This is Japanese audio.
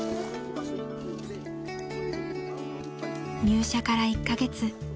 ［入社から１カ月］